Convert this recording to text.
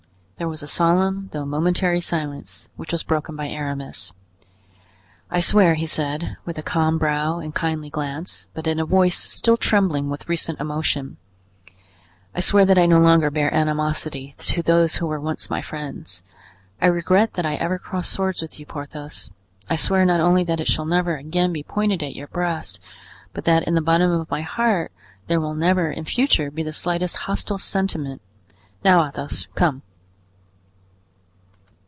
There was a solemn, though momentary silence, which was broken by Aramis. "I swear," he said, with a calm brow and kindly glance, but in a voice still trembling with recent emotion, "I swear that I no longer bear animosity to those who were once my friends. I regret that I ever crossed swords with you, Porthos; I swear not only that it shall never again be pointed at your breast, but that in the bottom of my heart there will never in future be the slightest hostile sentiment; now, Athos, come."